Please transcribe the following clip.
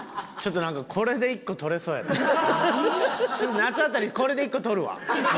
夏辺りこれで１個撮るわ。